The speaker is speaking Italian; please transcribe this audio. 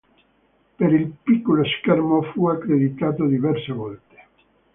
Per il piccolo schermo fu accreditato diverse volte.